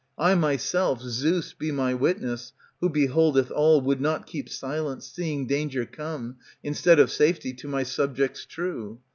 I myself, Zeus be my witness, w^ho beholdeth all, Would not keep silence, seeing danger come, Instead of safety, to my subjects true.